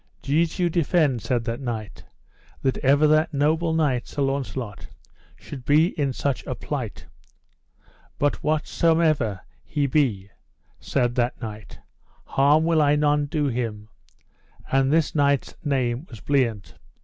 Jesu defend, said that knight, that ever that noble knight, Sir Launcelot, should be in such a plight; but whatsomever he be, said that knight, harm will I none do him: and this knight's name was Bliant.